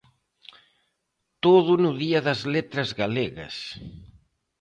Todo no Día das Letras Galegas.